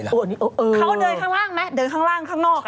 เขาเดินข้างล่างไหมเดินข้างล่างข้างนอก